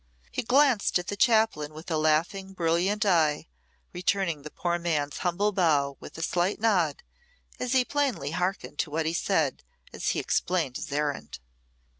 He glanced at the chaplain with a laughing, brilliant eye, returning the poor man's humble bow with a slight nod as he plainly hearkened to what he said as he explained his errand.